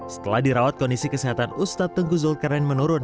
setelah dirawat kondisi kesehatan ustadz tengku zulkarnain menurun